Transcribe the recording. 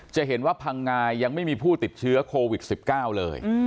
จะเห็นว่าพังงายังไม่มีผู้ติดเชื้อโควิด๑๙เลย